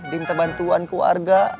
dia minta bantuan keluarga